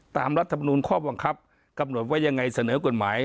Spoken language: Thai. รัฐมนูลข้อบังคับกำหนดว่ายังไงเสนอกฎหมาย